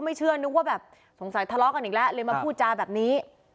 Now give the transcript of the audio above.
ไม่เชื่อนึกว่าแบบสงสัยทะเลาะกันอีกแล้วเลยมาพูดจาแบบนี้